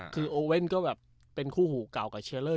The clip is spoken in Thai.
คือโอเว่นก็แบบเป็นคู่หูเก่ากับเชลเลอร์